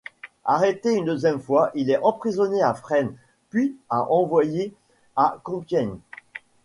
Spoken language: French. Arrêté une deuxième fois, il est emprisonné à Fresnes, puis à envoyé à Compiègne.